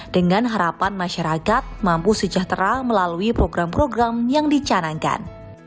dengan harapan masyarakat mampu sejahtera melalui program program yang dicanangkan